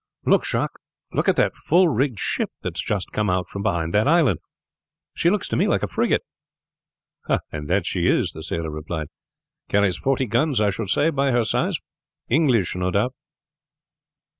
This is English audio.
"Look Jacques! Look at that full rigged ship that has just come out from behind that island. She looks to me like a frigate." "And that she is," the sailor replied. "Carries forty guns, I should say, by her size. English, no doubt.